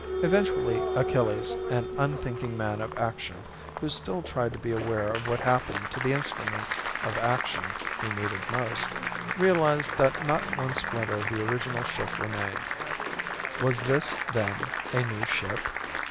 Eventually Achilles, an unthinking man of action who still tried to be aware of what happened to the instruments of action he needed most, realized that not one splinter of the original ship remained. Was this, then, a new ship?